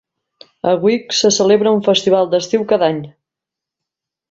A Wick se celebra un festival d'estiu cada any.